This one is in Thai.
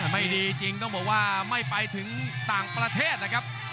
ไม่ดีจริงต้องบอกว่าไม่ไปถึงต่างประเทศนะครับ